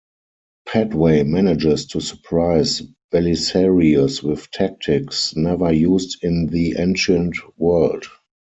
Padway manages to surprise Belisarius with tactics never used in the ancient world.